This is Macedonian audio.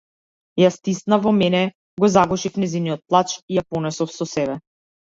Ја стиснав во мене, го загушив нејзиниот плач и ја понесов со себе.